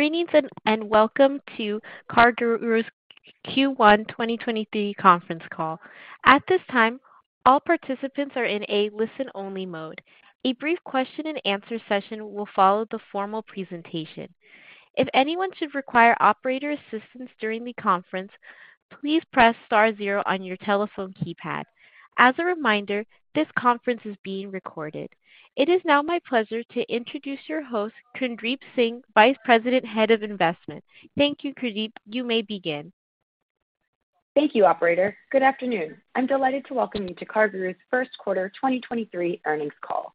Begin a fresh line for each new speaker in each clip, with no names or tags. Greetings, welcome to CarGurus Q1 2023 Conference Call. At this time, all participants are in a listen-only mode. A brief question and answer session will follow the formal presentation. If anyone should require operator assistance during the conference, please press star zero on your telephone keypad. As a reminder, this conference is being recorded. It is now my pleasure to introduce your host, Kirndeep Singh, Vice President, Head of Investment. Thank you, Kirndeep. You may begin.
Thank you, operator. Good afternoon. I'm delighted to welcome you to CarGurus' first quarter 2023 earnings call.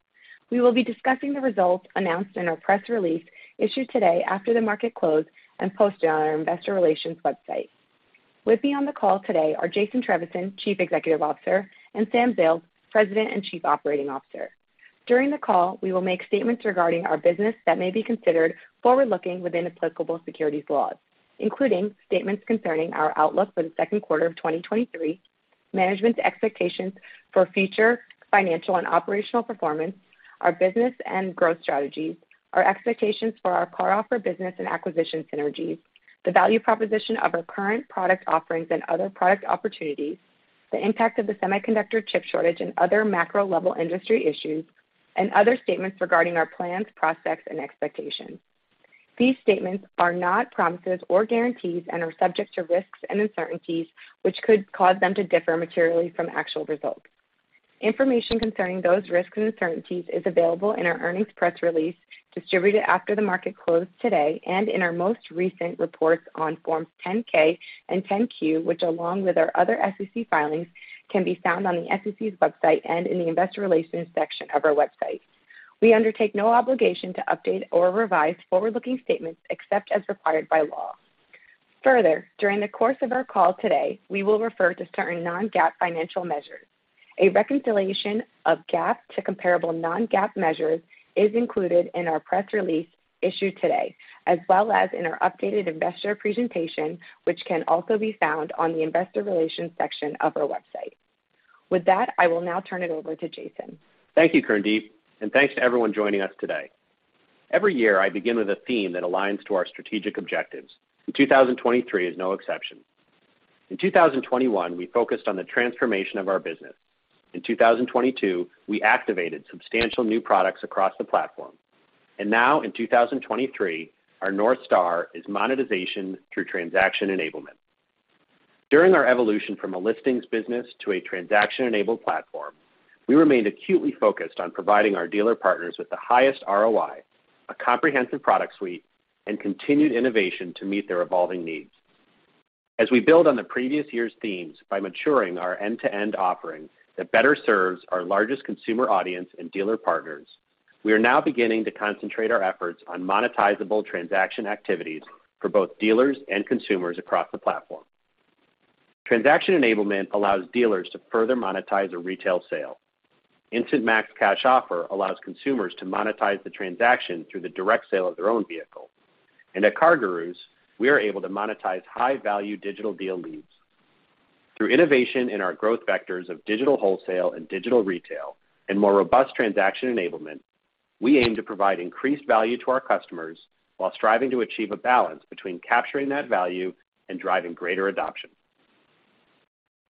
We will be discussing the results announced in our press release issued today after the market closed and posted on our investor relations website. With me on the call today are Jason Trevisan, Chief Executive Officer, and Sam Zales, President and Chief Operating Officer. During the call, we will make statements regarding our business that may be considered forward-looking within applicable securities laws, including statements concerning our outlook for the second quarter of 2023, management's expectations for future financial and operational performance, our business and growth strategies, our expectations for our CarOffer business and acquisition synergies, the value proposition of our current product offerings and other product opportunities, the impact of the semiconductor chip shortage and other macro-level industry issues, and other statements regarding our plans, prospects, and expectations. These statements are not promises or guarantees and are subject to risks and uncertainties which could cause them to differ materially from actual results. Information concerning those risks and uncertainties is available in our earnings press release distributed after the market closed today and in our most recent reports on forms 10-K and 10-Q, which along with our other SEC filings, can be found on the SEC's website and in the investor relations section of our website. We undertake no obligation to update or revise forward-looking statements except as required by law. During the course of our call today, we will refer to certain non-GAAP financial measures. A reconciliation of GAAP to comparable non-GAAP measures is included in our press release issued today, as well as in our updated investor presentation, which can also be found on the investor relations section of our website. With that, I will now turn it over to Jason.
Thank you, Kirndeep, thanks to everyone joining us today. Every year, I begin with a theme that aligns to our strategic objectives. 2023 is no exception. 2021, we focused on the transformation of our business. 2022, we activated substantial new products across the platform. Now in 2023, our North Star is monetization through transaction enablement. During our evolution from a listings business to a transaction-enabled platform, we remained acutely focused on providing our dealer partners with the highest ROI, a comprehensive product suite, and continued innovation to meet their evolving needs. As we build on the previous year's themes by maturing our end-to-end offering that better serves our largest consumer audience and dealer partners, we are now beginning to concentrate our efforts on monetizable transaction activities for both dealers and consumers across the platform. Transaction enablement allows dealers to further monetize a retail sale. Instant Max Cash Offer allows consumers to monetize the transaction through the direct sale of their own vehicle. At CarGurus, we are able to monetize high-value Digital Deal leads. Through innovation in our growth vectors of digital wholesale and digital retail, and more robust transaction enablement, we aim to provide increased value to our customers while striving to achieve a balance between capturing that value and driving greater adoption.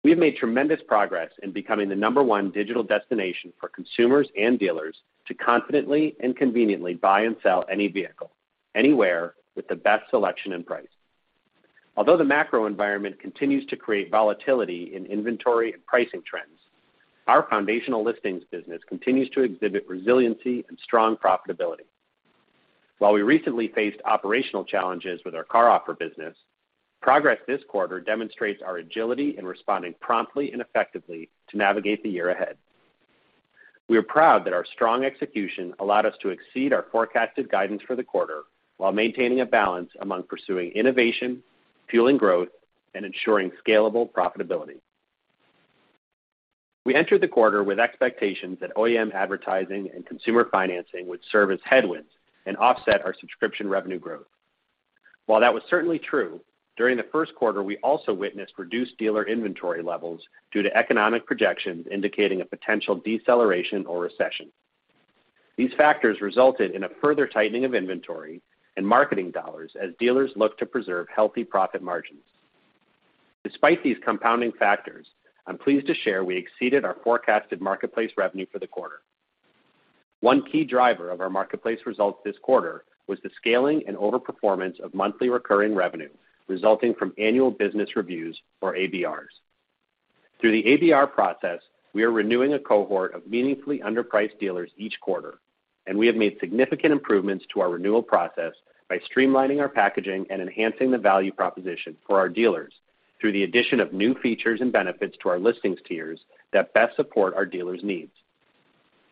We have made tremendous progress in becoming the number one digital destination for consumers and dealers to confidently and conveniently buy and sell any vehicle, anywhere, with the best selection and price. Although the macro environment continues to create volatility in inventory and pricing trends, our foundational listings business continues to exhibit resiliency and strong profitability. While we recently faced operational challenges with our CarOffer business, progress this quarter demonstrates our agility in responding promptly and effectively to navigate the year ahead. We are proud that our strong execution allowed us to exceed our forecasted guidance for the quarter while maintaining a balance among pursuing innovation, fueling growth, and ensuring scalable profitability. We entered the quarter with expectations that OEM advertising and consumer financing would serve as headwinds and offset our subscription revenue growth. While that was certainly true, during the first quarter, we also witnessed reduced dealer inventory levels due to economic projections indicating a potential deceleration or recession. These factors resulted in a further tightening of inventory and marketing dollars as dealers look to preserve healthy profit margins. Despite these compounding factors, I'm pleased to share we exceeded our forecasted marketplace revenue for the quarter. One key driver of our marketplace results this quarter was the scaling and overperformance of monthly recurring revenue resulting from annual business reviews or ABRs. Through the ABR process, we are renewing a cohort of meaningfully underpriced dealers each quarter, and we have made significant improvements to our renewal process by streamlining our packaging and enhancing the value proposition for our dealers through the addition of new features and benefits to our listings tiers that best support our dealers' needs.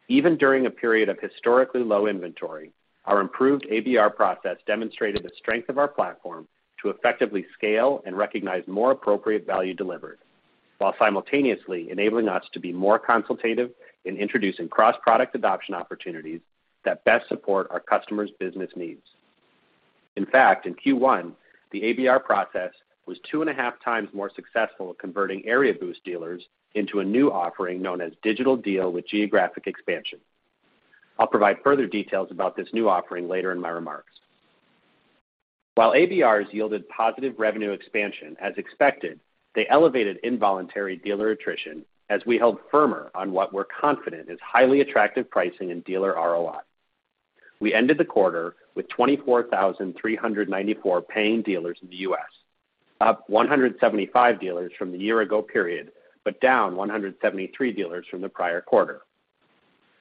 Even during a period of historically low inventory, our improved ABR process demonstrated the strength of our platform to effectively scale and recognize more appropriate value delivered while simultaneously enabling us to be more consultative in introducing cross-product adoption opportunities that best support our customers' business needs. In fact, in Q1, the ABR process was 2.5X more successful at converting Area Boost dealers into a new offering known as Digital Deal with Geographic Expansion. I'll provide further details about this new offering later in my remarks. ABRs yielded positive revenue expansion as expected, they elevated involuntary dealer attrition as we held firmer on what we're confident is highly attractive pricing and dealer ROI. We ended the quarter with 24,394 paying dealers in the US, up 175 dealers from the year ago period, down 173 dealers from the prior quarter.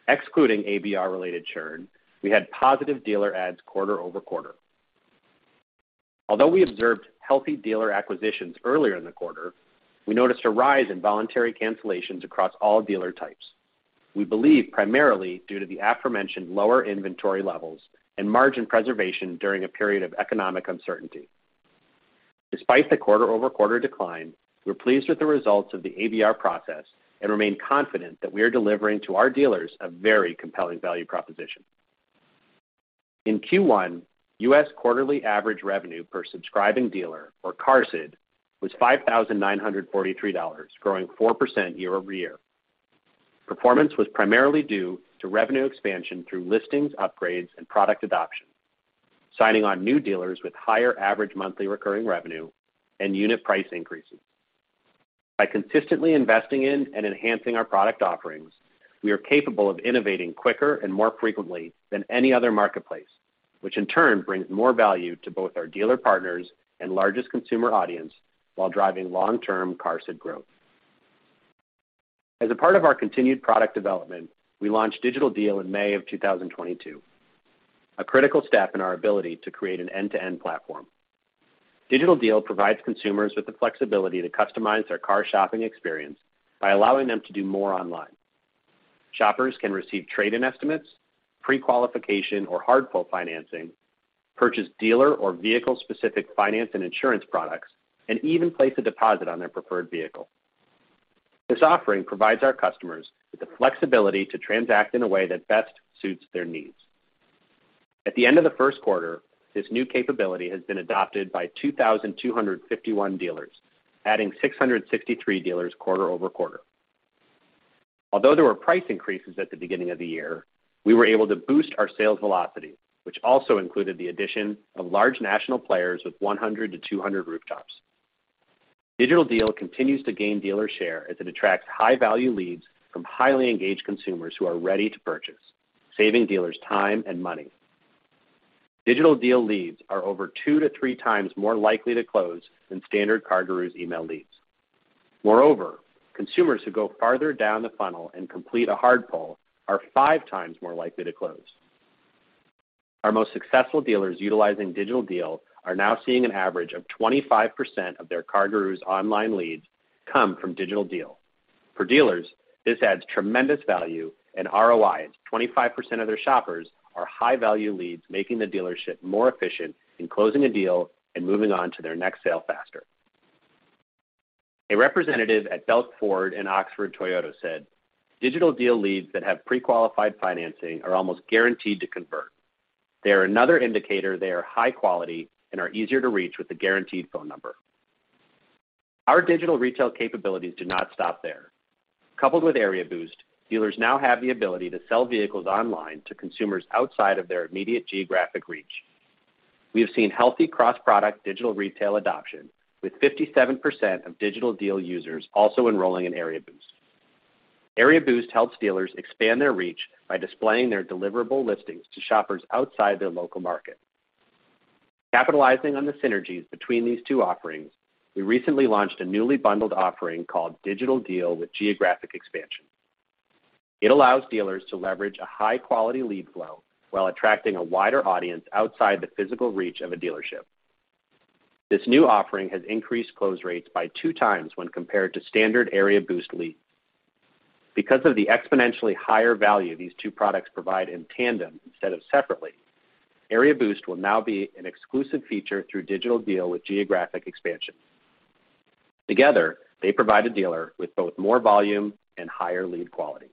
Excluding ABR-related churn, we had positive dealer adds quarter over quarter. We observed healthy dealer acquisitions earlier in the quarter, we noticed a rise in voluntary cancellations across all dealer types. We believe primarily due to the aforementioned lower inventory levels and margin preservation during a period of economic uncertainty. Despite the quarter-over-quarter decline, we're pleased with the results of the ABR process and remain confident that we are delivering to our dealers a very compelling value proposition. In Q1, U.S. quarterly average revenue per subscribing dealer or CarSID was $5,943, growing 4% year-over-year. Performance was primarily due to revenue expansion through listings, upgrades, and product adoption, signing on new dealers with higher average monthly recurring revenue and unit price increases. By consistently investing in and enhancing our product offerings, we are capable of innovating quicker and more frequently than any other marketplace, which in turn brings more value to both our dealer partners and largest consumer audience while driving long-term CarSID growth. As a part of our continued product development, we launched Digital Deal in May of 2022, a critical step in our ability to create an end-to-end platform. Digital Deal provides consumers with the flexibility to customize their car shopping experience by allowing them to do more online. Shoppers can receive trade-in estimates, prequalification or hard pull financing, purchase dealer or vehicle-specific finance and insurance products, and even place a deposit on their preferred vehicle. This offering provides our customers with the flexibility to transact in a way that best suits their needs. At the end of the first quarter, this new capability has been adopted by 2,251 dealers, adding 663 dealers quarter-over-quarter. Although there were price increases at the beginning of the year, we were able to boost our sales velocity, which also included the addition of large national players with 100-200 rooftops. Digital Deal continues to gain dealer share as it attracts high-value leads from highly engaged consumers who are ready to purchase, saving dealers time and money. Digital Deal leads are over 2X-3X more likely to close than standard CarGurus email leads. Moreover, consumers who go farther down the funnel and complete a hard pull are 5X more likely to close. Our most successful dealers utilizing Digital Deal are now seeing an average of 25% of their CarGurus online leads come from Digital Deal. For dealers, this adds tremendous value and ROI as 25% of their shoppers are high-value leads, making the dealership more efficient in closing a deal and moving on to their next sale faster. A representative at Belk Ford and Oxford Toyota said, "Digital Deal leads that have prequalified financing are almost guaranteed to convert. They are another indicator they are high quality and are easier to reach with a guaranteed phone number." Our digital retail capabilities do not stop there. Coupled with Area Boost, dealers now have the ability to sell vehicles online to consumers outside of their immediate geographic reach. We have seen healthy cross-product digital retail adoption, with 57% of Digital Deal users also enrolling in Area Boost. Area Boost helps dealers expand their reach by displaying their deliverable listings to shoppers outside their local market. Capitalizing on the synergies between these two offerings, we recently launched a newly bundled offering called Digital Deal with Geographic Expansion. It allows dealers to leverage a high-quality lead flow while attracting a wider audience outside the physical reach of a dealership. This new offering has increased close rates by 2x when compared to standard Area Boost leads. Because of the exponentially higher value these two products provide in tandem instead of separately, Area Boost will now be an exclusive feature through Digital Deal with Geographic Expansion. Together, they provide a dealer with both more volume and higher lead quality.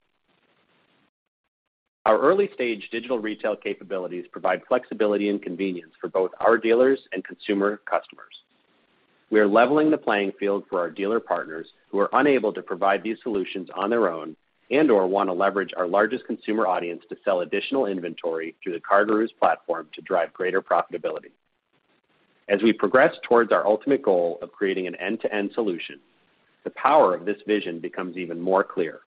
Our early-stage digital retail capabilities provide flexibility and convenience for both our dealers and consumer customers. We are leveling the playing field for our dealer partners who are unable to provide these solutions on their own and/or wanna leverage our largest consumer audience to sell additional inventory through the CarGurus platform to drive greater profitability. As we progress towards our ultimate goal of creating an end-to-end solution, the power of this vision becomes even more clear,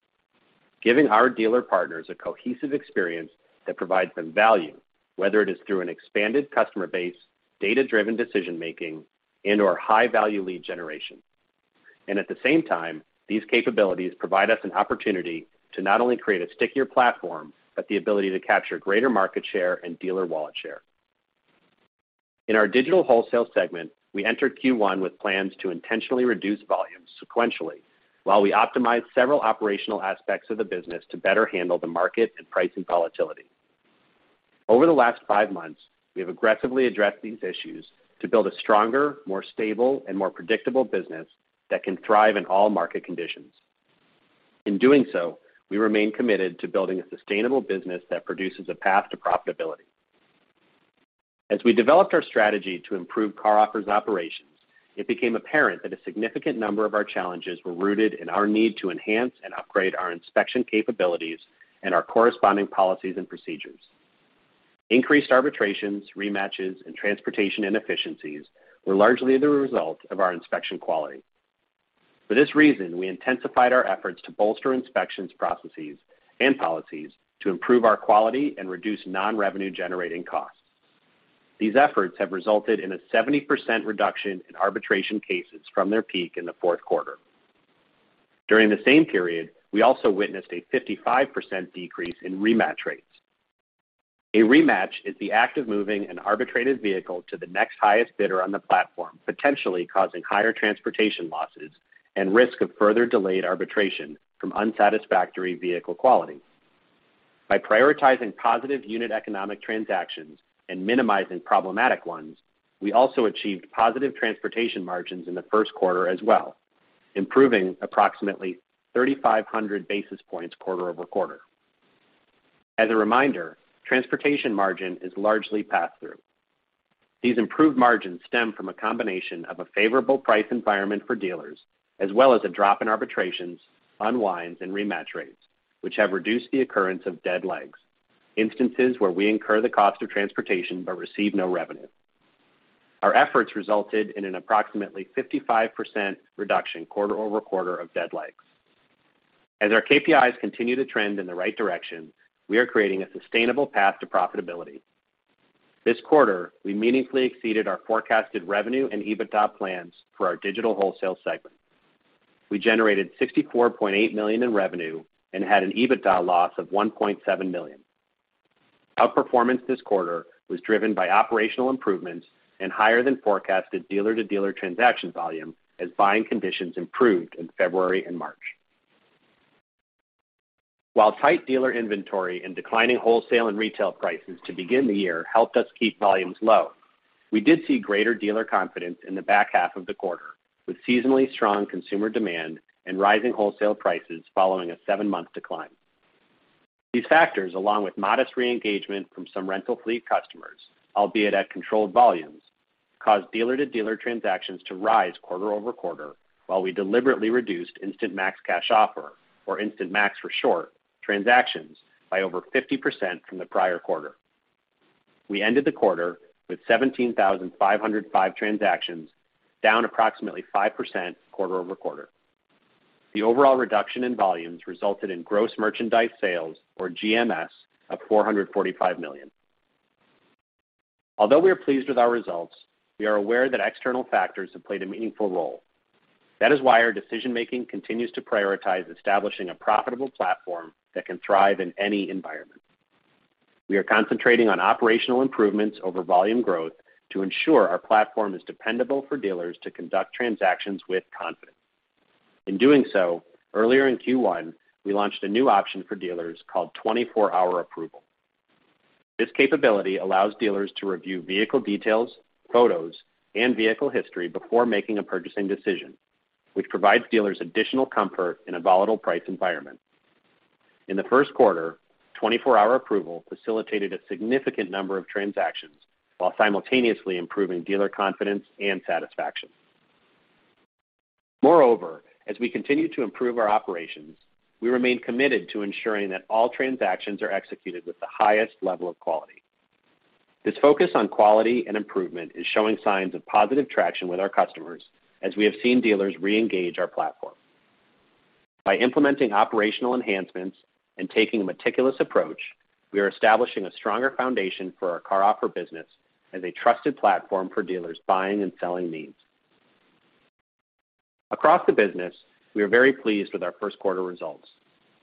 giving our dealer partners a cohesive experience that provides them value, whether it is through an expanded customer base, data-driven decision-making, and/or high-value lead generation. At the same time, these capabilities provide us an opportunity to not only create a stickier platform, but the ability to capture greater market share and dealer wallet share. In our digital wholesale segment, we entered Q1 with plans to intentionally reduce volumes sequentially while we optimized several operational aspects of the business to better handle the market and pricing volatility. Over the last five months, we have aggressively addressed these issues to build a stronger, more stable, and more predictable business that can thrive in all market conditions. In doing so, we remain committed to building a sustainable business that produces a path to profitability. As we developed our strategy to improve CarOffer's operations, it became apparent that a significant number of our challenges were rooted in our need to enhance and upgrade our inspection capabilities and our corresponding policies and procedures. Increased arbitrations, rematches, and transportation inefficiencies were largely the result of our inspection quality. For this reason, we intensified our efforts to bolster inspection processes and policies to improve our quality and reduce non-revenue-generating costs. These efforts have resulted in a 70% reduction in arbitration cases from their peak in the fourth quarter. During the same period, we also witnessed a 55% decrease in rematch rates. A rematch is the act of moving an arbitrated vehicle to the next highest bidder on the platform, potentially causing higher transportation losses and risk of further delayed arbitration from unsatisfactory vehicle quality. By prioritizing positive unit economic transactions and minimizing problematic ones, we also achieved positive transportation margins in the first quarter as well, improving approximately 3,500 basis points quarter-over-quarter. As a reminder, transportation margin is largely passed through. These improved margins stem from a combination of a favorable price environment for dealers, as well as a drop in arbitrations, unwinds, and rematch rates, which have reduced the occurrence of dead legs, instances where we incur the cost of transportation but receive no revenue. Our efforts resulted in an approximately 55% reduction quarter-over-quarter of dead legs. As our KPIs continue to trend in the right direction, we are creating a sustainable path to profitability. This quarter, we meaningfully exceeded our forecasted revenue and EBITDA plans for our digital wholesale segment. We generated $64.8 million in revenue and had an EBITDA loss of $1.7 million. Outperformance this quarter was driven by operational improvements and higher than forecasted dealer-to-dealer transaction volume as buying conditions improved in February and March. Tight dealer inventory and declining wholesale and retail prices to begin the year helped us keep volumes low, we did see greater dealer confidence in the back half of the quarter, with seasonally strong consumer demand and rising wholesale prices following a seven-month decline. These factors, along with modest re-engagement from some rental fleet customers, albeit at controlled volumes, caused dealer-to-dealer transactions to rise quarter-over-quarter, while we deliberately reduced Instant Max Cash Offer, or Instant Max for short, transactions by over 50% from the prior quarter. We ended the quarter with 17,505 transactions, down approximately 5% quarter-over-quarter. The overall reduction in volumes resulted in gross merchandise sales, or GMS, of $445 million. Although we are pleased with our results, we are aware that external factors have played a meaningful role. That is why our decision-making continues to prioritize establishing a profitable platform that can thrive in any environment. We are concentrating on operational improvements over volume growth to ensure our platform is dependable for dealers to conduct transactions with confidence. In doing so, earlier in Q1, we launched a new option for dealers called 24-Hour Approval. This capability allows dealers to review vehicle details, photos, and vehicle history before making a purchasing decision, which provides dealers additional comfort in a volatile price environment. In the first quarter, 24-Hour Approval facilitated a significant number of transactions while simultaneously improving dealer confidence and satisfaction. As we continue to improve our operations, we remain committed to ensuring that all transactions are executed with the highest level of quality. This focus on quality and improvement is showing signs of positive traction with our customers as we have seen dealers re-engage our platform. By implementing operational enhancements and taking a meticulous approach, we are establishing a stronger foundation for our CarOffer business as a trusted platform for dealers' buying and selling needs. Across the business, we are very pleased with our first quarter results.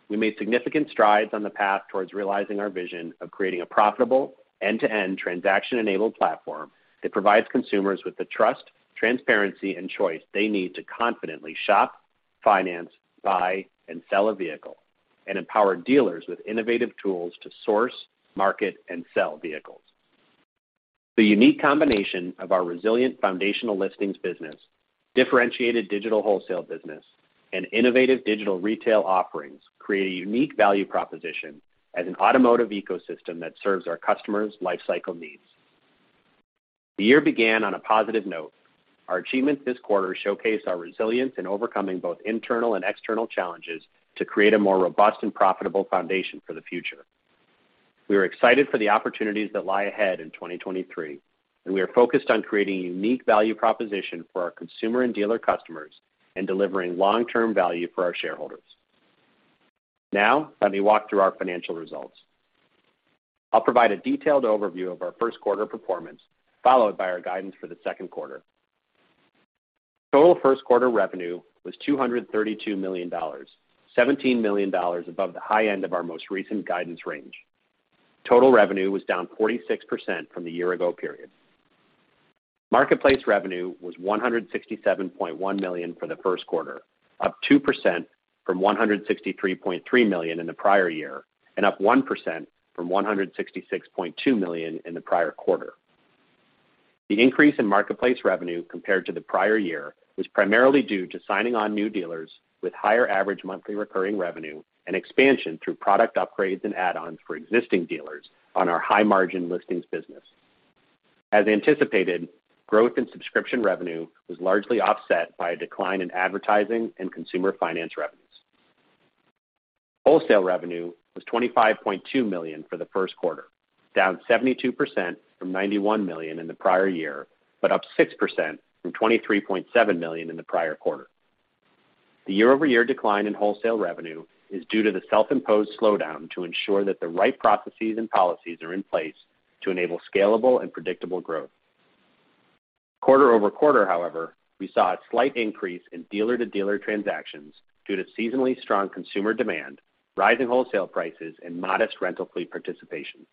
We made significant strides on the path towards realizing our vision of creating a profitable end-to-end transaction-enabled platform that provides consumers with the trust, transparency, and choice they need to confidently shop, finance, buy, and sell a vehicle, and empower dealers with innovative tools to source, market, and sell vehicles. The unique combination of our resilient foundational listings business, differentiated digital wholesale business, and innovative digital retail offerings create a unique value proposition as an automotive ecosystem that serves our customers' lifecycle needs. The year began on a positive note. Our achievements this quarter showcase our resilience in overcoming both internal and external challenges to create a more robust and profitable foundation for the future. We are excited for the opportunities that lie ahead in 2023, we are focused on creating a unique value proposition for our consumer and dealer customers and delivering long-term value for our shareholders. Now, let me walk through our financial results. I'll provide a detailed overview of our first quarter performance, followed by our guidance for the second quarter. Total first quarter revenue was $232 million, $17 million above the high end of our most recent guidance range. Total revenue was down 46% from the year-ago period. Marketplace revenue was $167.1 million for the first quarter, up 2% from $163.3 million in the prior year, and up 1% from $166.2 million in the prior quarter. The increase in marketplace revenue compared to the prior year was primarily due to signing on new dealers with higher average monthly recurring revenue and expansion through product upgrades and add-ons for existing dealers on our high-margin listings business. As anticipated, growth in subscription revenue was largely offset by a decline in advertising and consumer finance revenue. Wholesale revenue was $25.2 million for the first quarter, down 72% from $91 million in the prior year, but up 6% from $23.7 million in the prior quarter. The year-over-year decline in wholesale revenue is due to the self-imposed slowdown to ensure that the right processes and policies are in place to enable scalable and predictable growth. Quarter-over-quarter, however, we saw a slight increase in dealer-to-dealer transactions due to seasonally strong consumer demand, rising wholesale prices, and modest rental fleet participation.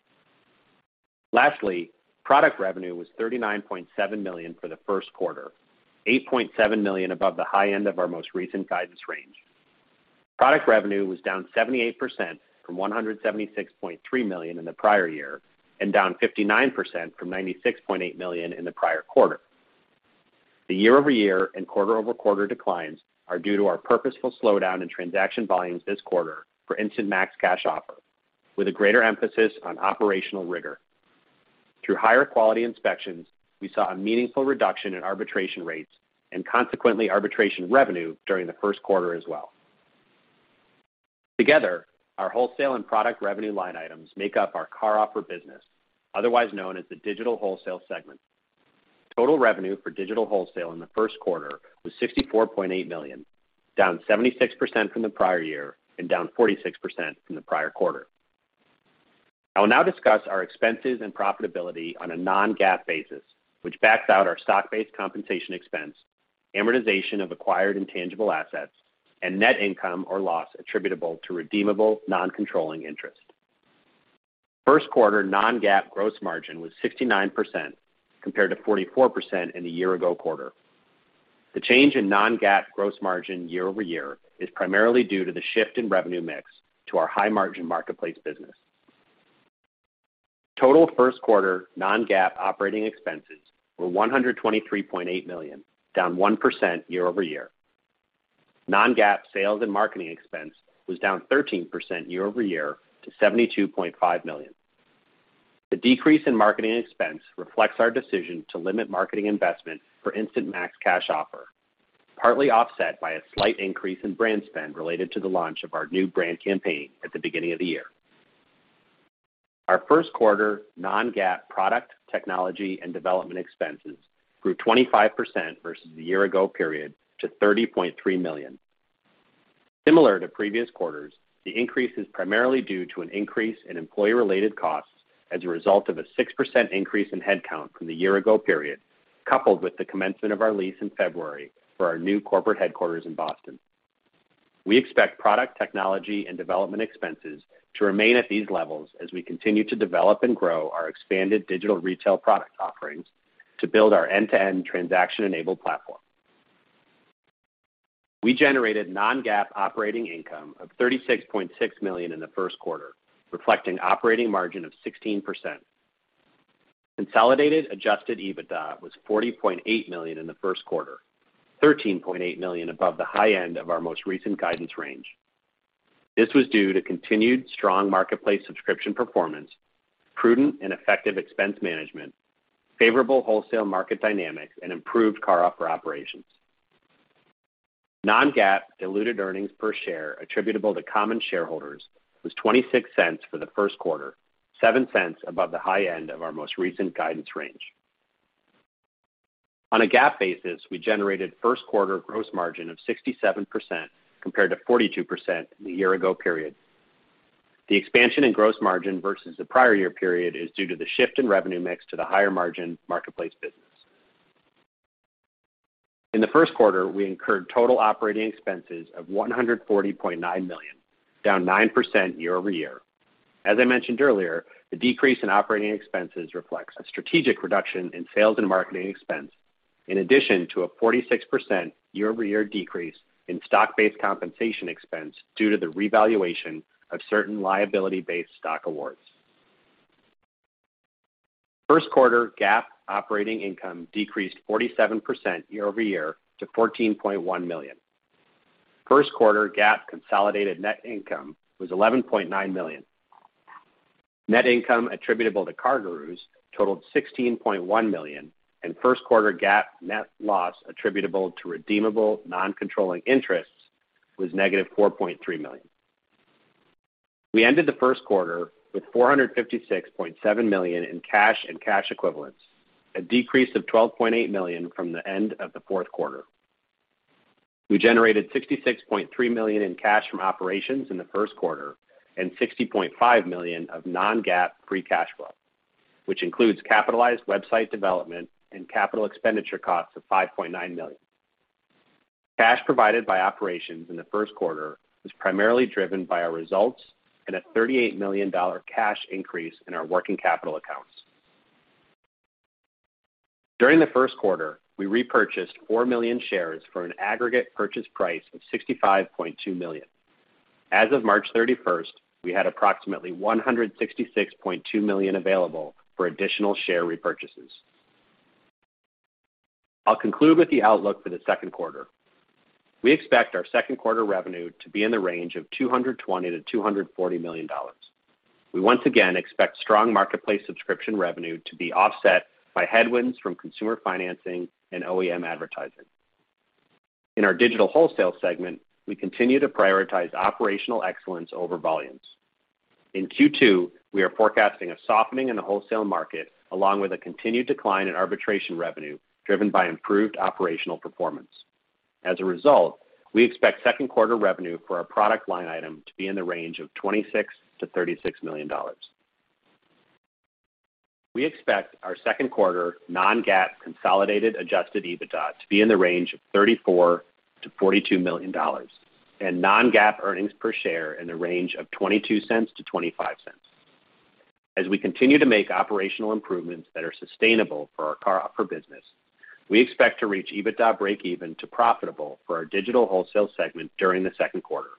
Lastly, product revenue was $39.7 million for the first quarter, $8.7 million above the high end of our most recent guidance range. Product revenue was down 78% from $176.3 million in the prior year and down 59% from $96.8 million in the prior quarter. The year-over-year and quarter-over-quarter declines are due to our purposeful slowdown in transaction volumes this quarter for Instant Max Cash Offer, with a greater emphasis on operational rigor. Through higher quality inspections, we saw a meaningful reduction in arbitration rates, and consequently arbitration revenue during the first quarter as well. Together, our wholesale and product revenue line items make up our CarOffer business, otherwise known as the digital wholesale segment. Total revenue for digital wholesale in the first quarter was $64.8 million, down 76% from the prior year and down 46% from the prior quarter. I will now discuss our expenses and profitability on a non-GAAP basis, which backs out our stock-based compensation expense, amortization of acquired intangible assets, and net income or loss attributable to redeemable non-controlling interest. First quarter non-GAAP gross margin was 69% compared to 44% in the year-ago quarter. The change in non-GAAP gross margin year-over-year is primarily due to the shift in revenue mix to our high margin marketplace business. Total first quarter non-GAAP operating expenses were $123.8 million, down 1% year-over-year. Non-GAAP sales and marketing expense was down 13% year-over-year to $72.5 million. The decrease in marketing expense reflects our decision to limit marketing investment for Instant Max Cash Offer, partly offset by a slight increase in brand spend related to the launch of our new brand campaign at the beginning of the year. Our first quarter non-GAAP product technology and development expenses grew 25% versus the year ago period to $30.3 million. Similar to previous quarters, the increase is primarily due to an increase in employee-related costs as a result of a 6% increase in headcount from the year ago period, coupled with the commencement of our lease in February for our new corporate headquarters in Boston. We expect product technology and development expenses to remain at these levels as we continue to develop and grow our expanded digital retail product offerings to build our end-to-end transaction-enabled platform. We generated non-GAAP operating income of $36.6 million in the first quarter, reflecting operating margin of 16%. Consolidated adjusted EBITDA was $40.8 million in the first quarter, $13.8 million above the high end of our most recent guidance range. This was due to continued strong marketplace subscription performance, prudent and effective expense management, favorable wholesale market dynamics, and improved CarOffer operations. Non-GAAP diluted earnings per share attributable to common shareholders was $0.26 for the first quarter, $0.07 above the high end of our most recent guidance range. On a GAAP basis, we generated first quarter gross margin of 67% compared to 42% in the year-ago period. The expansion in gross margin versus the prior year period is due to the shift in revenue mix to the higher margin marketplace business. In the first quarter, we incurred total operating expenses of $140.9 million, down 9% year-over-year. As I mentioned earlier, the decrease in operating expenses reflects a strategic reduction in sales and marketing expense, in addition to a 46% year-over-year decrease in stock-based compensation expense due to the revaluation of certain liability-based stock awards. First quarter GAAP operating income decreased 47% year-over-year to $14.1 million. First quarter GAAP consolidated net income was $11.9 million. Net income attributable to CarGurus totaled $16.1 million, and first quarter GAAP net loss attributable to redeemable non-controlling interests was negative $4.3 million. We ended the first quarter with $456.7 million in cash and cash equivalents, a decrease of $12.8 million from the end of the fourth quarter. We generated $66.3 million in cash from operations in the first quarter and $60.5 million of non-GAAP free cash flow, which includes capitalized website development and capital expenditure costs of $5.9 million. Cash provided by operations in the first quarter was primarily driven by our results and a $38 million cash increase in our working capital accounts. During the first quarter, we repurchased 4 million shares for an aggregate purchase price of $65.2 million. As of March 31st, we had approximately $166.2 million available for additional share repurchases. I'll conclude with the outlook for the second quarter. We expect our second quarter revenue to be in the range of $220 million-$240 million. We once again expect strong marketplace subscription revenue to be offset by headwinds from consumer financing and OEM advertising. In our digital wholesale segment, we continue to prioritize operational excellence over volumes. In Q2, we are forecasting a softening in the wholesale market along with a continued decline in arbitration revenue, driven by improved operational performance. We expect second quarter revenue for our product line item to be in the range of $26 million-$36 million. We expect our second quarter non-GAAP consolidated adjusted EBITDA to be in the range of $34 million-$42 million and non-GAAP earnings per share in the range of $0.22-$0.25. We continue to make operational improvements that are sustainable for our CarOffer business, we expect to reach EBITDA breakeven to profitable for our digital wholesale segment during the second quarter.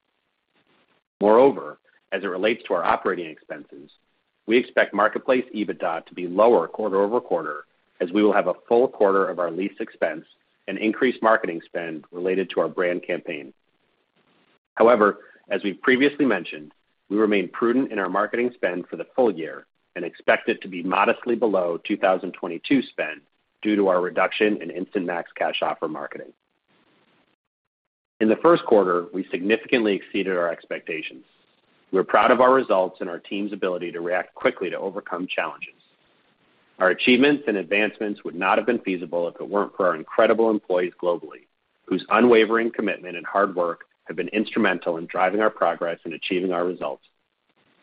Moreover, as it relates to our operating expenses, we expect marketplace EBITDA to be lower quarter-over-quarter as we will have a full quarter of our lease expense and increased marketing spend related to our brand campaign. However, as we've previously mentioned, we remain prudent in our marketing spend for the full year and expect it to be modestly below 2022 spend due to our reduction in Instant Max Cash Offer marketing. In the first quarter, we significantly exceeded our expectations. We're proud of our results and our team's ability to react quickly to overcome challenges. Our achievements and advancements would not have been feasible if it weren't for our incredible employees globally, whose unwavering commitment and hard work have been instrumental in driving our progress and achieving our results.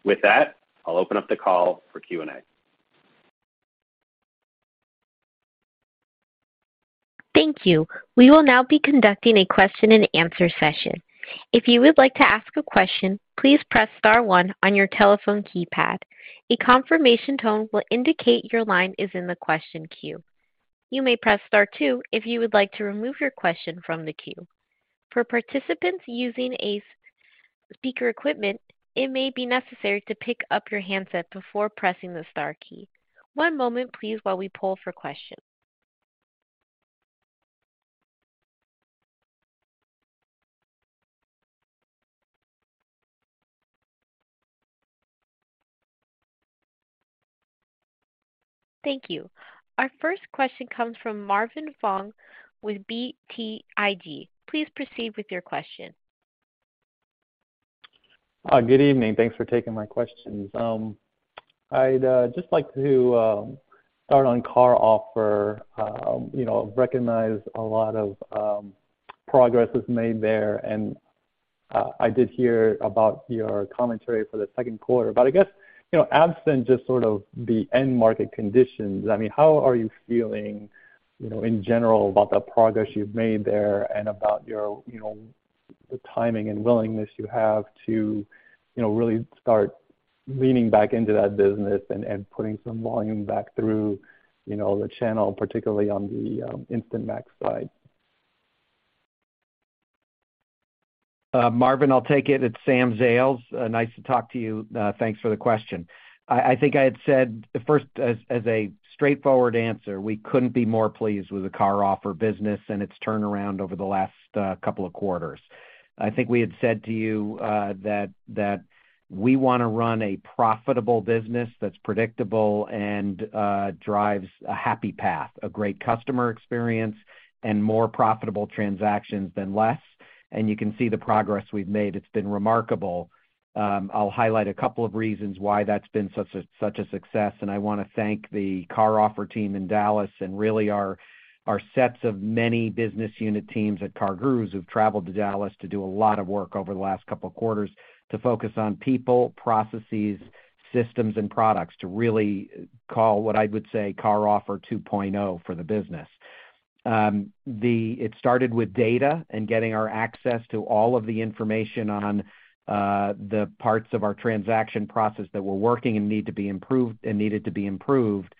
With that, I'll open up the call for Q&A.
Thank you. We will now be conducting a question-and-answer session. If you would like to ask a question, please press star one on your telephone keypad. A confirmation tone will indicate your line is in the question queue. You may press star two if you would like to remove your question from the queue. For participants using speaker equipment, it may be necessary to pick up your handset before pressing the star key. One moment please while we pull for questions. Thank you. Our first question comes from Marvin Fong with BTIG. Please proceed with your question.
Good evening. Thanks for taking my questions. I'd just like to start on CarOffer. You know, recognize a lot of progress was made there, and I did hear about your commentary for the second quarter, but I guess, you know, absent just sort of the end market conditions, I mean, how are you feeling, you know, in general about the progress you've made there and about your, you know, the timing and willingness you have to, you know, really start leaning back into that business and putting some volume back through, you know, the channel, particularly on the Instant Max side?
Marvin, I'll take it. It's Sam Zales. Nice to talk to you. Thanks for the question. I think I had said first, as a straightforward answer, we couldn't be more pleased with the CarOffer business and its turnaround over the last couple of quarters. I think we had said to you, that we wanna run a profitable business that's predictable and drives a happy path, a great customer experience and more profitable transactions than less. You can see the progress we've made. It's been remarkable. I'll highlight a couple of reasons why that's been such a success, and I wanna thank the CarOffer team in Dallas and really our sets of many business unit teams at CarGurus who've traveled to Dallas to do a lot of work over the last couple of quarters to focus on people, processes, systems and products to really call what I would say CarOffer 2.0 for the business. It started with data and getting our access to all of the information on the parts of our transaction process that were working and need to be improved and needed to be improved.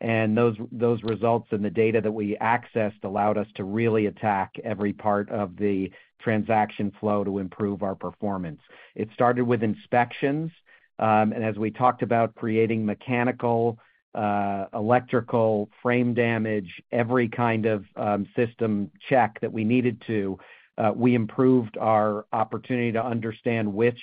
Those results and the data that we accessed allowed us to really attack every part of the transaction flow to improve our performance. It started with inspections, and as we talked about creating mechanical, electrical frame damage, every kind of system check that we needed to, we improved our opportunity to understand which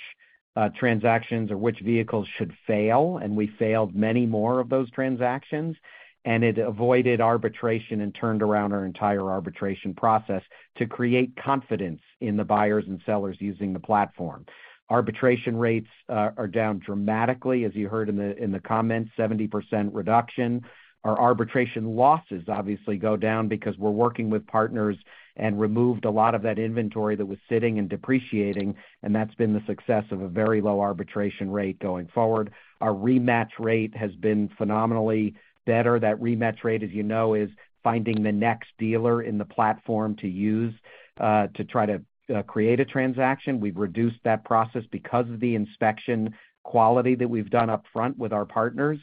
transactions or which vehicles should fail, and we failed many more of those transactions. It avoided arbitration and turned around our entire arbitration process to create confidence in the buyers and sellers using the platform. Arbitration rates are down dramatically, as you heard in the comments. 70% reduction. Our arbitration losses obviously go down because we're working with partners and removed a lot of that inventory that was sitting and depreciating, and that's been the success of a very low arbitration rate going forward. Our rematch rate has been phenomenally better. That rematch rate, as you know, is finding the next dealer in the platform to use to try to create a transaction. We've reduced that process because of the inspection quality that we've done up front with our partners.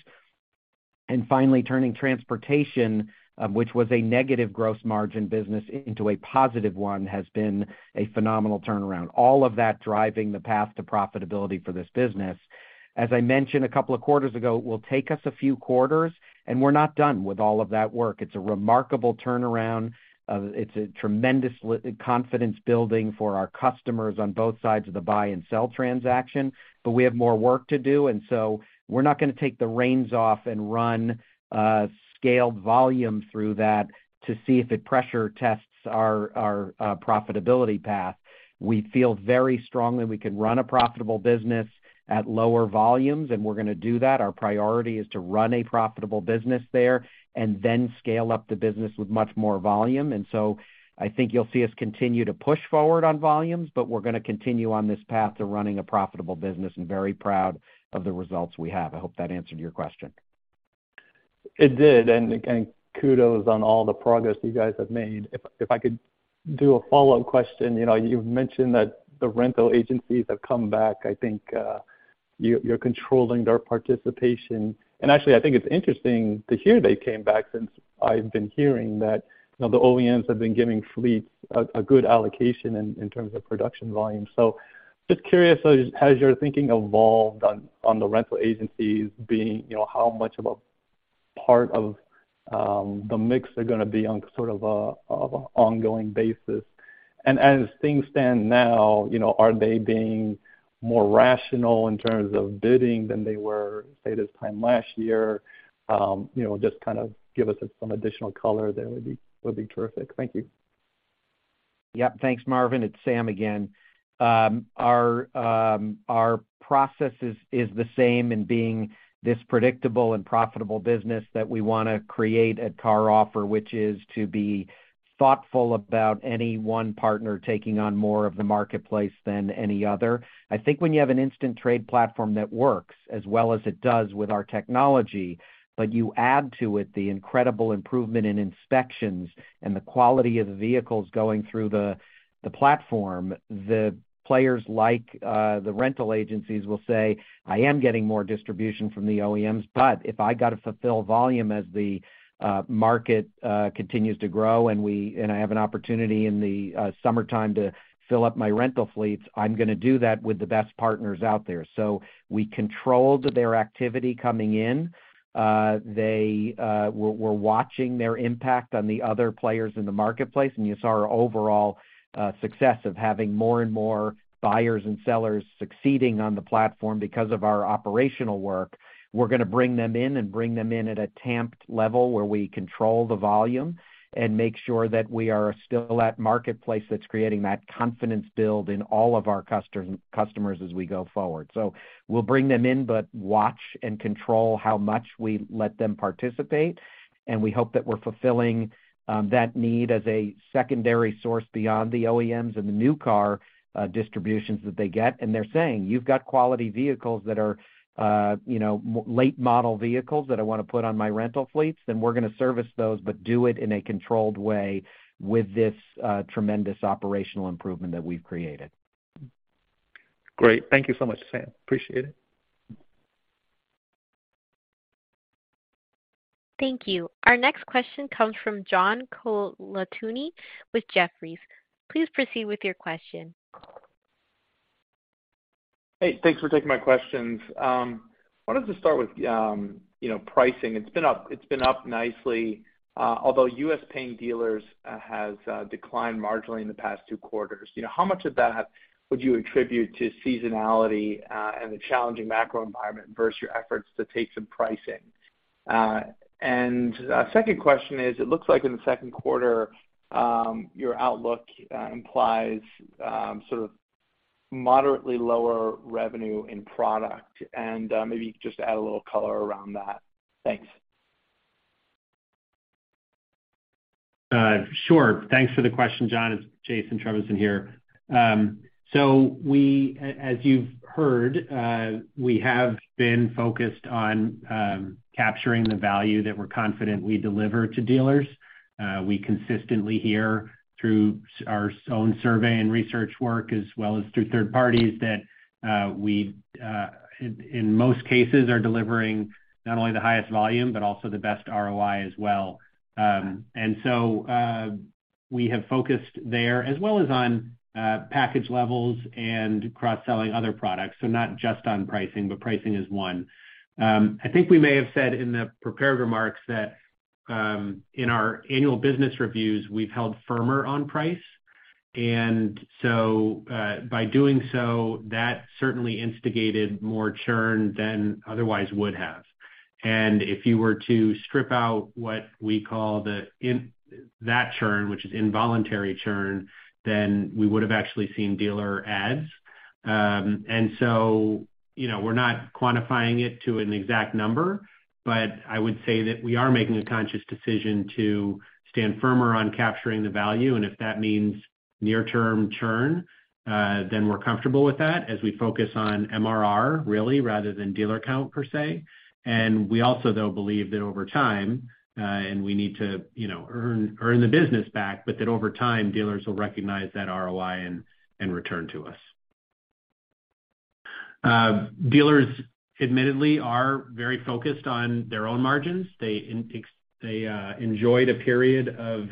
Finally, turning transportation, which was a negative gross margin business into a positive one, has been a phenomenal turnaround. All of that driving the path to profitability for this business. As I mentioned a couple of quarters ago, it will take us a few quarters, and we're not done with all of that work. It's a remarkable turnaround. It's a tremendous confidence building for our customers on both sides of the buy and sell transaction, but we have more work to do. We're not gonna take the reins off and run scaled volume through that to see if it pressure tests our profitability path. We feel very strongly we can run a profitable business at lower volumes, and we're gonna do that. Our priority is to run a profitable business there and then scale up the business with much more volume. I think you'll see us continue to push forward on volumes, but we're gonna continue on this path to running a profitable business and very proud of the results we have. I hope that answered your question.
It did. Kudos on all the progress you guys have made. If I could do a follow-up question. You know, you've mentioned that the rental agencies have come back. I think you're controlling their participation. Actually, I think it's interesting to hear they came back since I've been hearing that, you know, the OEMs have been giving fleets a good allocation in terms of production volume. Just curious, as you're thinking evolved on the rental agencies being, you know, how much of a part of the mix they're gonna be on sort of of an ongoing basis. As things stand now, you know, are they being more rational in terms of bidding than they were, say, this time last year? You know, just kind of give us some additional color there would be terrific. Thank you.
Yep. Thanks, Marvin. It's Sam again. Our process is the same in being this predictable and profitable business that we wanna create at CarOffer, which is to be thoughtful about any one partner taking on more of the marketplace than any other. I think when you have an instant trade platform that works as well as it does with our technology, but you add to it the incredible improvement in inspections and the quality of the vehicles going through the platform, the players like the rental agencies will say, "I am getting more distribution from the OEMs, but if I got to fulfill volume as the market continues to grow, and I have an opportunity in the summertime to fill up my rental fleets, I'm gonna do that with the best partners out there." We controlled their activity coming in. We're watching their impact on the other players in the marketplace. You saw our overall success of having more and more buyers and sellers succeeding on the platform because of our operational work. We're gonna bring them in and bring them in at a tamped level where we control the volume and make sure that we are still at marketplace that's creating that confidence build in all of our customers as we go forward. We'll bring them in, but watch and control how much we let them participate. We hope that we're fulfilling that need as a secondary source beyond the OEMs and the new car distributions that they get. They're saying, "You've got quality vehicles that are, you know, late model vehicles that I wanna put on my rental fleets." We're gonna service those, but do it in a controlled way with this tremendous operational improvement that we've created.
Great. Thank you so much, Sam. Appreciate it.
Thank you. Our next question comes from John Colantuoni with Jefferies. Please proceed with your question.
Hey, thanks for taking my questions. Wanted to start with, you know, pricing. It's been up nicely, although U.S. paying dealers has declined marginally in the past two quarters. You know, how much of that would you attribute to seasonality and the challenging macro environment versus your efforts to take some pricing? A 2nd question is, it looks like in the 2Q, your outlook implies sort of moderately lower revenue in product. Maybe you could just add a little color around that. Thanks.
Sure. Thanks for the question, John. It's Jason Trevisan here. As you've heard, we have been focused on capturing the value that we're confident we deliver to dealers. We consistently hear through our own survey and research work, as well as through third parties, that we in most cases are delivering not only the highest volume but also the best ROI as well. We have focused there as well as on package levels and cross-selling other products. Not just on pricing, but pricing is one. I think we may have said in the prepared remarks that in our annual business reviews, we've held firmer on price. By doing so, that certainly instigated more churn than otherwise would have. If you were to strip out what we call that churn, which is involuntary churn, then we would have actually seen dealer adds. You know, we're not quantifying it to an exact number, but I would say that we are making a conscious decision to stand firmer on capturing the value. If that means near term churn, then we're comfortable with that as we focus on MRR really rather than dealer count per se. We also, though, believe that over time, and we need to, you know, earn the business back, but that over time, dealers will recognize that ROI and return to us. Dealers admittedly are very focused on their own margins. They enjoyed a period of-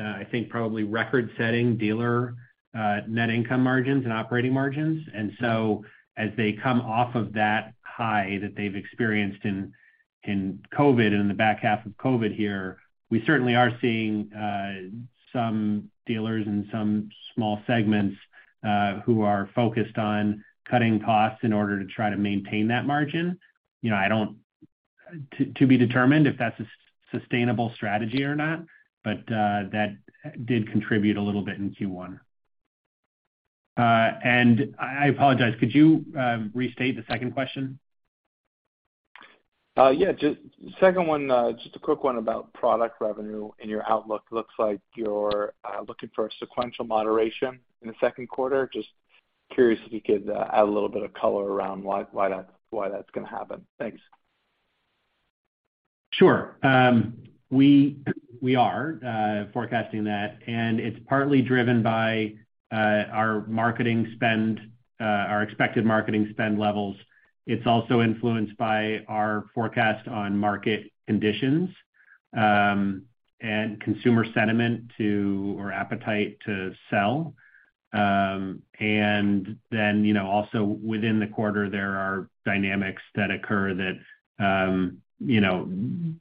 I think probably record-setting dealer, net income margins and operating margins. As they come off of that high that they've experienced in COVID, in the back half of COVID here, we certainly are seeing, some dealers in some small segments, who are focused on cutting costs in order to try to maintain that margin. You know, I don't... To be determined if that's a sustainable strategy or not, but, that did contribute a little bit in Q1. I apologize, could you, restate the second question?
Yeah, just a quick one about product revenue and your outlook. Looks like you're looking for a sequential moderation in the second quarter. Just curious if you could add a little bit of color around why that's going to happen. Thanks.
Sure. We are forecasting that. It's partly driven by our marketing spend, our expected marketing spend levels. It's also influenced by our forecast on market conditions and consumer sentiment to or appetite to sell. Then, you know, also within the quarter, there are dynamics that occur that, you know,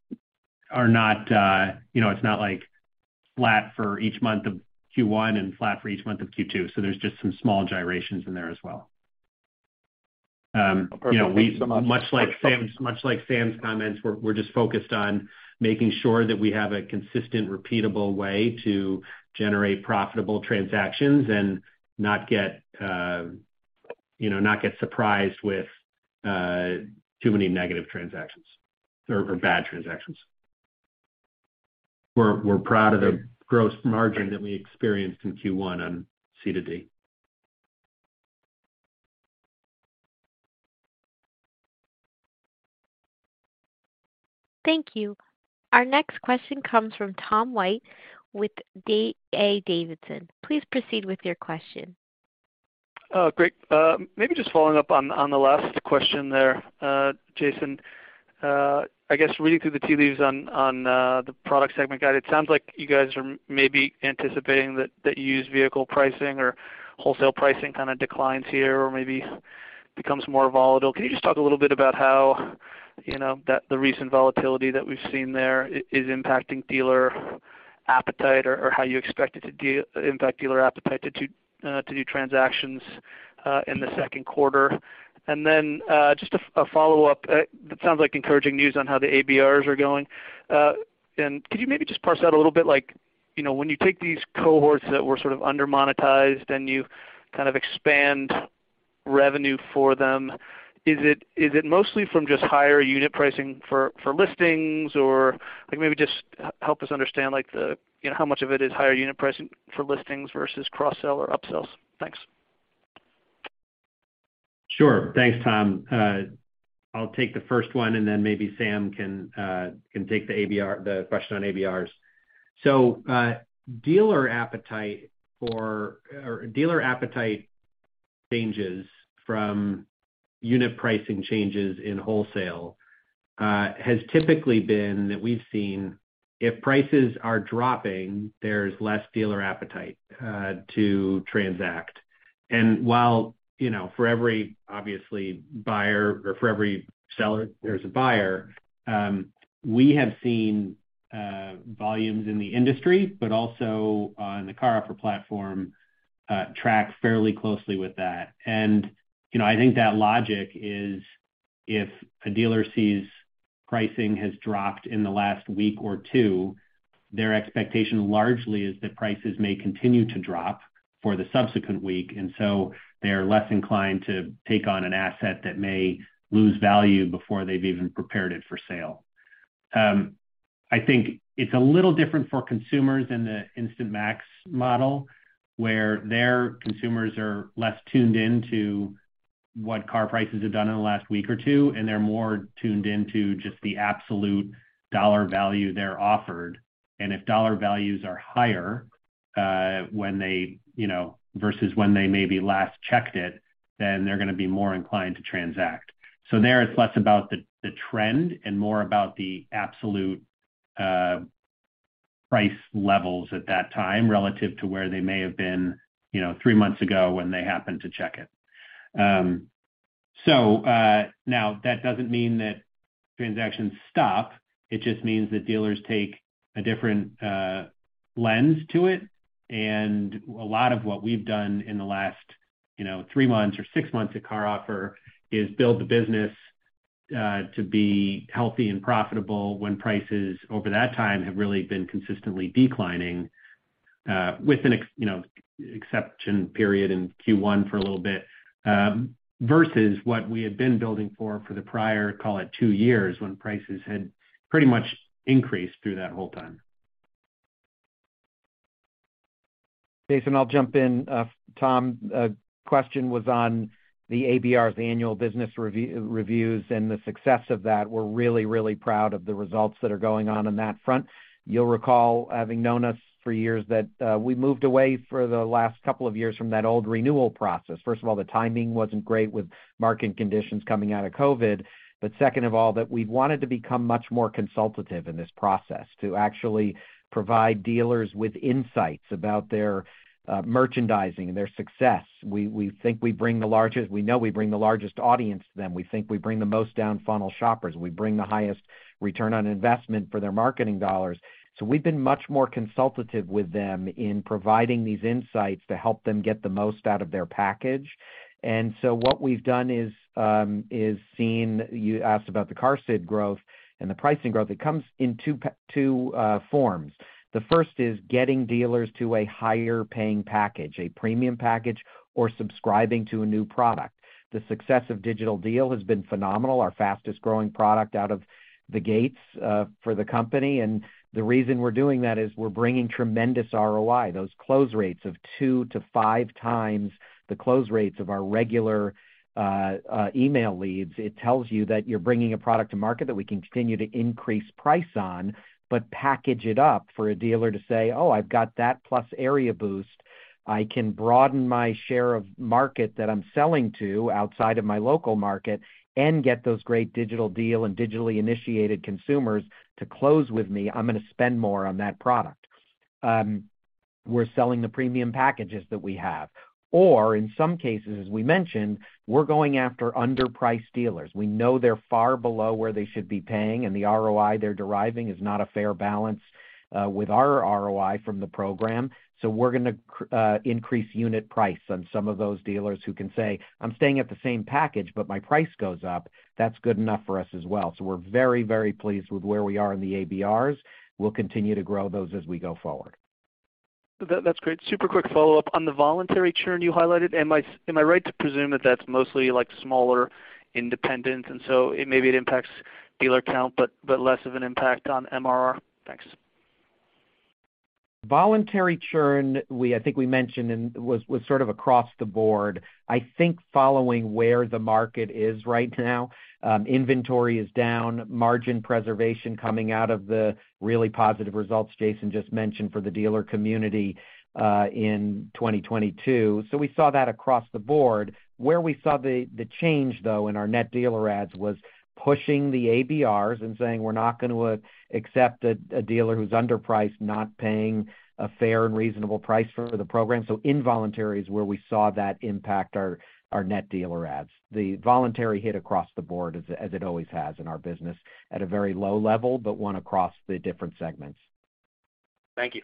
are not, you know, it's not like flat for each month of Q1 and flat for each month of Q2. There's just some small gyrations in there as well. You know.
Perfect. Thanks so much.
Much like Sam's comments, we're just focused on making sure that we have a consistent, repeatable way to generate profitable transactions and not get, you know, not get surprised with too many negative transactions or bad transactions. We're proud of the gross margin that we experienced in Q1 on C2D.
Thank you. Our next question comes from Tom White with D.A. Davidson. Please proceed with your question.
Great. Maybe just following up on the last question there, Jason. I guess reading through the tea leaves on the product segment guide, it sounds like you guys are maybe anticipating that used vehicle pricing or wholesale pricing kinda declines here or maybe becomes more volatile. Can you just talk a little bit about how, you know, the recent volatility that we've seen there is impacting dealer appetite or how you expect it to impact dealer appetite to do transactions in the second quarter? Just a follow-up. It sounds like encouraging news on how the ABRs are going. Could you maybe just parse out a little bit like, you know, when you take these cohorts that were sort of under-monetized and you kind of expand revenue for them, is it, is it mostly from just higher unit pricing for listings? Or like maybe just help us understand like the, you know, how much of it is higher unit pricing for listings versus cross-sell or upsells. Thanks.
Sure. Thanks, Tom. Then maybe Sam can take the question on ABRs. Dealer appetite changes from unit pricing changes in wholesale has typically been that we've seen if prices are dropping, there's less dealer appetite to transact. While, you know, for every obviously buyer or for every seller, there's a buyer, we have seen volumes in the industry, but also on the CarOffer platform track fairly closely with that. You know, I think that logic is if a dealer sees pricing has dropped in the last week or two, their expectation largely is that prices may continue to drop for the subsequent week, so they're less inclined to take on an asset that may lose value before they've even prepared it for sale. I think it's a little different for consumers in the Instant Max model, where their consumers are less tuned in to what car prices have done in the last week or two, and they're more tuned in to just the absolute dollar value they're offered. If dollar values are higher, when they, you know, versus when they maybe last checked it, then they're gonna be more inclined to transact. There it's less about the trend and more about the absolute price levels at that time relative to where they may have been, you know, three months ago when they happened to check it. Now that doesn't mean that transactions stop. It just means that dealers take a different lens to it. A lot of what we've done in the last, you know, three months or six months at CarOffer is build the business, to be healthy and profitable when prices over that time have really been consistently declining, with an exception period in Q1 for a little bit, versus what we had been building for the prior, call it two years when prices had pretty much increased through that whole time.
Jason, I'll jump in. Tom, question was on the ABRs, the annual business reviews and the success of that. We're really proud of the results that are going on that front. You'll recall, having known us for years, that we moved away for the last couple of years from that old renewal process. First of all, the timing wasn't great with market conditions coming out of COVID, second of all, that we wanted to become much more consultative in this process, to actually provide dealers with insights about their merchandising and their success. We know we bring the largest audience to them. We think we bring the most down-funnel shoppers. We bring the highest ROI for their marketing dollars. We've been much more consultative with them in providing these insights to help them get the most out of their package. What we've done is seen. You asked about the CarSID growth and the pricing growth. It comes in two forms. The first is getting dealers to a higher paying package, a premium package or subscribing to a new product. The success of Digital Deal has been phenomenal, our fastest growing product out of the gates for the company. The reason we're doing that is we're bringing tremendous ROI. Those close rates of two to five times the close rates of our regular email leads. It tells you that you're bringing a product to market that we can continue to increase price on, but package it up for a dealer to say, "Oh, I've got that plus Area Boost. I can broaden my share of market that I'm selling to outside of my local market and get those great Digital Deal and digitally initiated consumers to close with me. I'm gonna spend more on that product." We're selling the premium packages that we have. In some cases, as we mentioned, we're going after underpriced dealers. We know they're far below where they should be paying, and the ROI they're deriving is not a fair balance with our ROI from the program. We're gonna increase unit price on some of those dealers who can say, "I'm staying at the same package, but my price goes up." That's good enough for us as well. We're very, very pleased with where we are in the ABRs. We'll continue to grow those as we go forward.
That's great. Super quick follow-up. On the voluntary churn you highlighted, am I right to presume that that's mostly, like, smaller independents and so it maybe it impacts dealer count, but less of an impact on MRR? Thanks.
Voluntary churn, I think we mentioned, and was sort of across the board. I think following where the market is right now, inventory is down, margin preservation coming out of the really positive results Jason just mentioned for the dealer community, in 2022. We saw that across the board. Where we saw the change though in our net dealer adds was pushing the ABRs and saying, "We're not gonna accept a dealer who's underpriced not paying a fair and reasonable price for the program." Involuntary is where we saw that impact our net dealer adds. The voluntary hit across the board as it always has in our business at a very low level, but one across the different segments.
Thank you.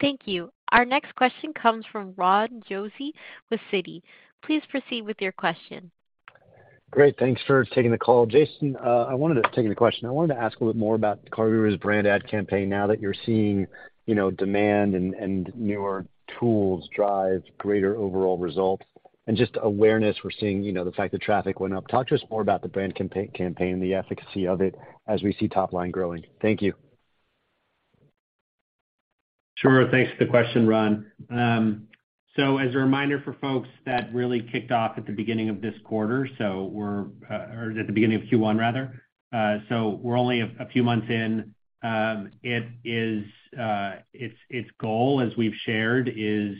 Thank you. Our next question comes from Ron Josey with Citi. Please proceed with your question.
Great. Thanks for taking the call. Jason, taking the question. I wanted to ask a little more about CarGurus brand ad campaign now that you're seeing, you know, demand and newer tools drive greater overall results and just awareness we're seeing, you know, the fact the traffic went up. Talk to us more about the brand campaign, the efficacy of it as we see top line growing. Thank you.
Sure. Thanks for the question, Ron. As a reminder for folks that really kicked off at the beginning of this quarter, so we're or at the beginning of Q1 rather. We're only a few months in. It is its goal, as we've shared, is,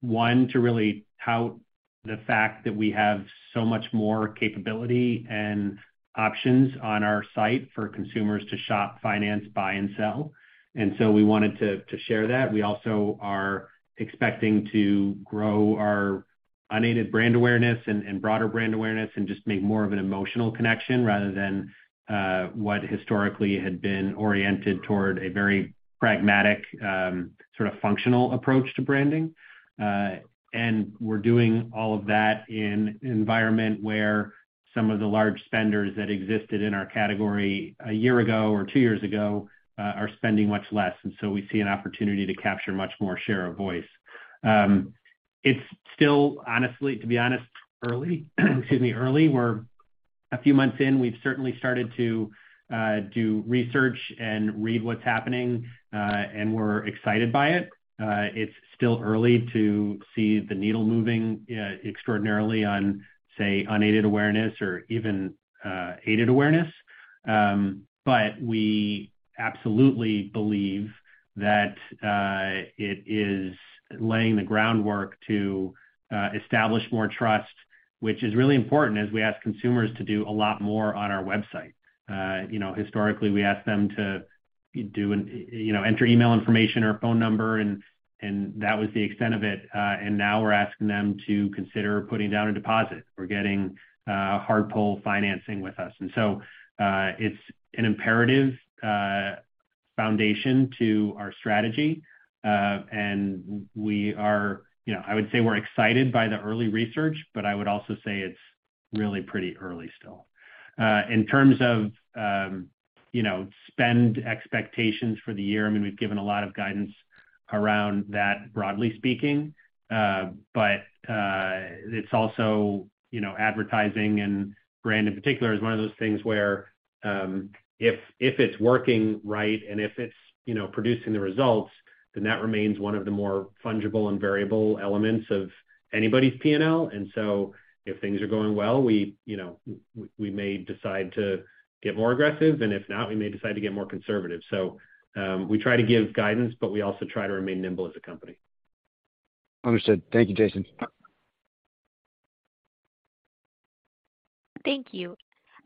one, to really tout the fact that we have so much more capability and options on our site for consumers to shop, finance, buy and sell. We wanted to share that. We also are expecting to grow our unaided brand awareness and broader brand awareness and just make more of an emotional connection rather than what historically had been oriented toward a very pragmatic sort of functional approach to branding. We're doing all of that in environment where some of the large spenders that existed in our category a year ago or two years ago are spending much less. We see an opportunity to capture much more share of voice. It's still, honestly, to be honest, early. Excuse me. Early. We're a few months in. We've certainly started to do research and read what's happening, and we're excited by it. It's still early to see the needle moving extraordinarily on, say, unaided awareness or even aided awareness. We absolutely believe that it is laying the groundwork to establish more trust, which is really important as we ask consumers to do a lot more on our website. You know, historically, we ask them to do you know, enter email information or phone number, and that was the extent of it. Now we're asking them to consider putting down a deposit. We're getting hard pull financing with us. It's an imperative foundation to our strategy. We are, you know, I would say we're excited by the early research, but I would also say it's really pretty early still. In terms of, you know, spend expectations for the year, I mean, we've given a lot of guidance around that, broadly speaking. It's also, you know, advertising and brand in particular is one of those things where, if it's working right and if it's, you know, producing the results, then that remains one of the more fungible and variable elements of anybody's PNL. If things are going well, we, you know, we may decide to get more aggressive, and if not, we may decide to get more conservative. We try to give guidance, but we also try to remain nimble as a company.
Understood. Thank you, Jason.
Thank you.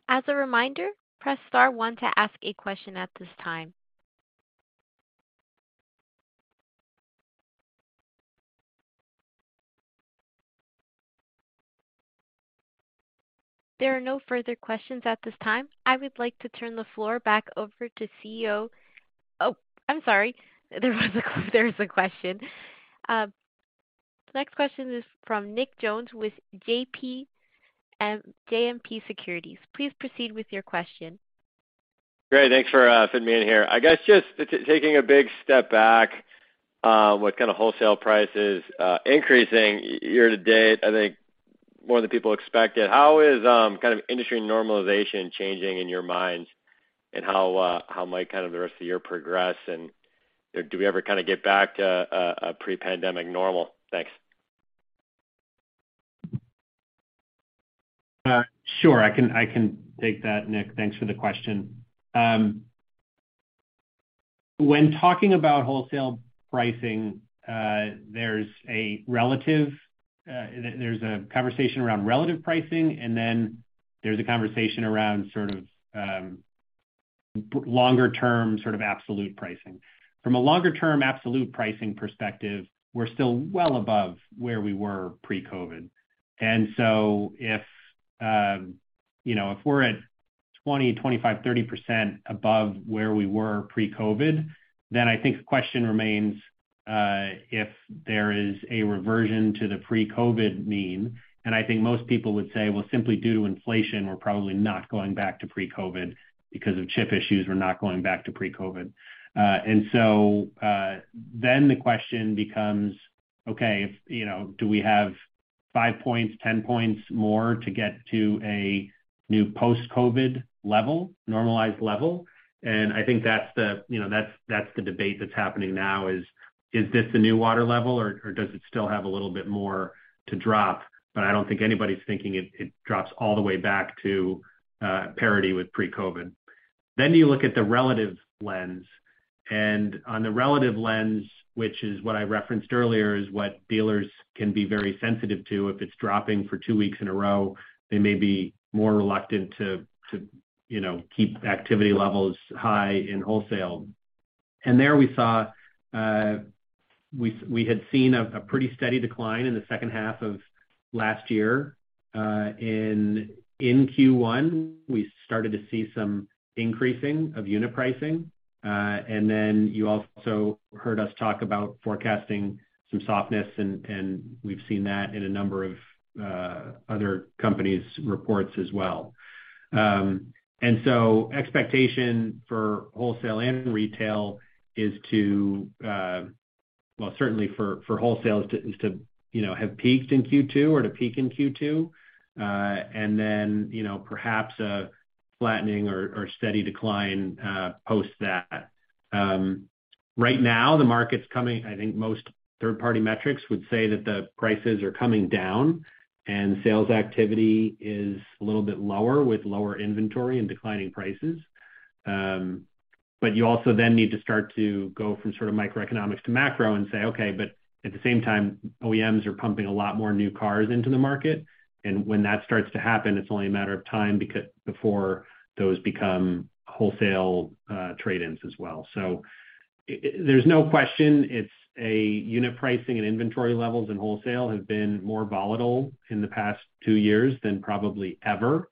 As a reminder, press star one to ask a question at this time. There are no further questions at this time. I would like to turn the floor back over to CEO. Oh, I'm sorry. There is a question. Next question is from Nick Jones with JMP Securities. Please proceed with your question.
Great. Thanks for fitting me in here. I guess just taking a big step back, with kinda wholesale prices, increasing year to date, I think more than people expected. How is kind of industry normalization changing in your minds and how might kind of the rest of your progress and do we ever kind of get back to a pre-pandemic normal? Thanks.
Sure. I can take that, Nick. Thanks for the question. When talking about wholesale pricing, there's a relative... there's a conversation around relative pricing, and then there's a conversation around sort of, longer-term sort of absolute pricing. From a longer-term absolute pricing perspective, we're still well above where we were pre-COVID. If, you know, if we're at 20%, 25%, 30% above where we were pre-COVID, I think the question remains if there is a reversion to the pre-COVID mean. I think most people would say, "Well, simply due to inflation, we're probably not going back to pre-COVID. Because of chip issues, we're not going back to pre-COVID. Then the question becomes, okay, if do we have 5 points, 10 points more to get to a new post-COVID level, normalized level? I think that's the debate that's happening now is this the new water level or does it still have a little bit more to drop? I don't think anybody's thinking it drops all the way back to parity with pre-COVID. You look at the relative lens. On the relative lens, which is what I referenced earlier, is what dealers can be very sensitive to. If it's dropping for 2 weeks in a row, they may be more reluctant to keep activity levels high in wholesale. There we saw, we had seen a pretty steady decline in the second half of last year. In Q1, we started to see some increasing of unit pricing. You also heard us talk about forecasting some softness, and we've seen that in a number of other companies' reports as well. Expectation for wholesale and retail is to, Well, certainly for wholesale is to, you know, have peaked in Q2 or to peak in Q2. You know, perhaps a flattening or steady decline post that. I think most third-party metrics would say that the prices are coming down and sales activity is a little bit lower with lower inventory and declining prices. You also then need to start to go from sort of microeconomics to macro and say, "Okay, but at the same time, OEMs are pumping a lot more new cars into the market." When that starts to happen, it's only a matter of time before those become wholesale trade-ins as well. There's no question it's a unit pricing and inventory levels and wholesale have been more volatile in the past two years than probably ever.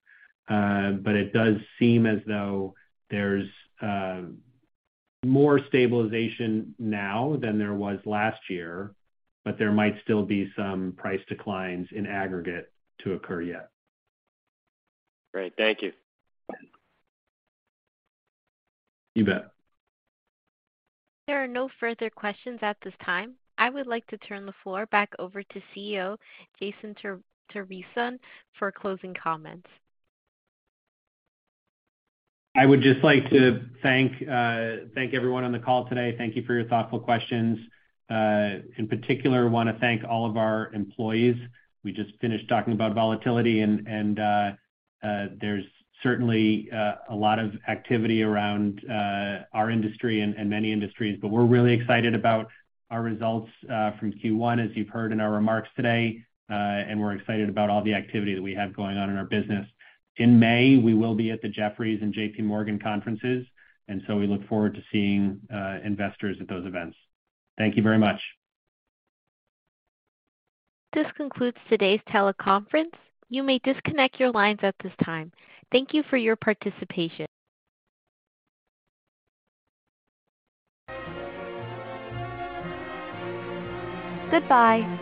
It does seem as though there's more stabilization now than there was last year, but there might still be some price declines in aggregate to occur yet.
Great. Thank you.
You bet.
There are no further questions at this time. I would like to turn the floor back over to CEO, Jason Trevisan, for closing comments.
I would just like to thank everyone on the call today. Thank you for your thoughtful questions. In particular, wanna thank all of our employees. We just finished talking about volatility and there's certainly a lot of activity around our industry and many industries. We're really excited about our results from Q1, as you've heard in our remarks today. We're excited about all the activity that we have going on in our business. In May, we will be at the Jefferies and JPMorgan conferences, we look forward to seeing investors at those events. Thank you very much.
This concludes today's teleconference. You may disconnect your lines at this time. Thank you for your participation. Goodbye.